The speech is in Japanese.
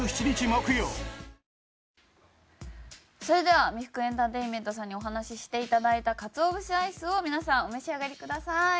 それでは三福エンターテイメントさんにお話しして頂いた鰹節アイスを皆さんお召し上がりください。